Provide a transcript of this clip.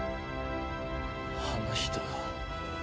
あの人が？